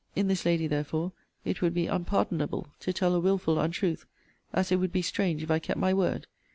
In this lady, therefore, it would be unpardonable to tell a wilful untruth, as it would be strange if I kept my word.